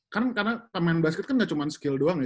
kan karena pemain basket kan gak cuma skill doang ya